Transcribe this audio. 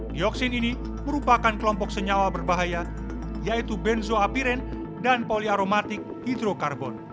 dioksin ini merupakan kelompok senyawa berbahaya yaitu benzoapiren dan poliaromatik hidrokarbon